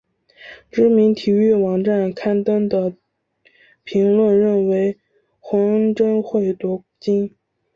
知名体育网站刊登的评论认为洪恩贞会夺金。